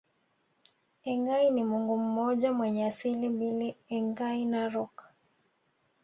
Engai ni Mungu mmoja mwenye asili mbili Engai Narok